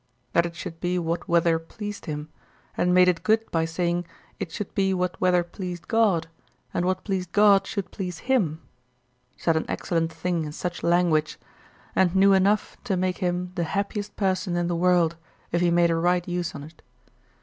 that it should be what weather pleased him, and made it good by saying it should be what weather pleased God, and what pleased God should please him, said an excellent thing in such language, and knew enough to make him the happiest person in the world if he made a right use on't.